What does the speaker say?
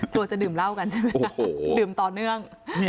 กลัวจะดื่มเหล้ากันใช่ไหมคะดื่มต่อเนื่อง